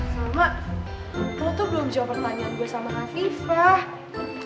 mama lo tuh belum jawab pertanyaan gue sama raffifah